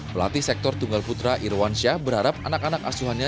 pelatih sektor tunggal putra irwansyah berharap anak anak asuhannya